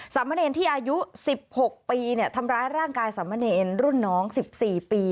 สามเมินเอนที่อายุ๑๖ปีเนี่ยทำร้ายร่างกายสามเมินเอนรุ่นน้อง๑๔ปี